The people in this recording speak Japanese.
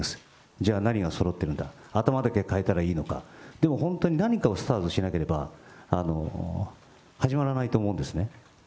じゃあ、何がそろってるんだ、頭だけかえたらいいのか、でも本当に何かをスタートしなければ、始まらないと思うんですね。